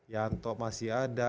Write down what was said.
yanto masih ada